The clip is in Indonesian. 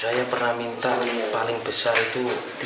saya pernah minta paling besar itu rp tiga ratus lima puluh